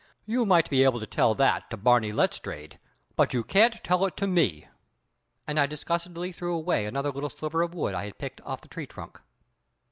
You might be able to tell that to Barney Letstrayed, but you can't tell it to me!" And I disgustedly threw away another little sliver of wood I had picked off the tree trunk.